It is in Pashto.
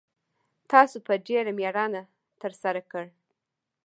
تاسو په ډېره میړانه ترسره کړ